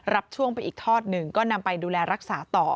รับช่วงไปอีกทอดหนึ่งก็นำไปดูแลรักษาต่อ